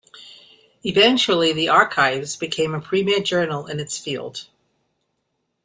Eventually, the "Archives" became a premier journal in its field.